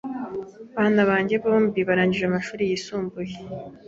Bana banjye bombi barangije amashuri yisumbuye.